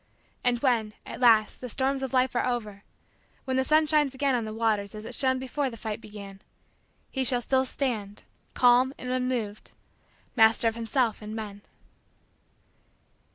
And when, at last, the storms of life are over when the sun shines again on the waters as it shone before the fight began he shall still stand, calm and unmoved, master of himself and men.